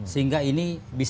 sehingga ini bisa dilakukan